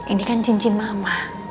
ini kan cincin mama